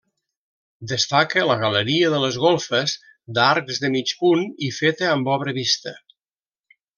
Destaca la galeria de les golfes, d'arcs de mig punt i feta amb obra vista.